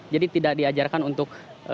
jadi tidak diajarkan untuk